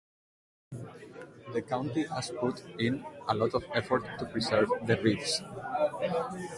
The county has put in a lot of effort to preserve the reefs.